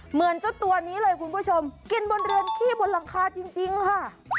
เหมือนเจ้าตัวนี้เลยคุณผู้ชมกินบนเรือนขี้บนหลังคาจริงค่ะ